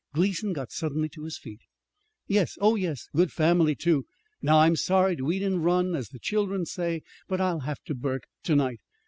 Gleason got suddenly to his feet. "Yes, oh, yes. Good family, too! Now I'm sorry to eat and run, as the children say, but I'll have to, Burke, to night.